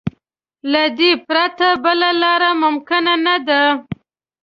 له دې پرته بله لار ممکن نه ده.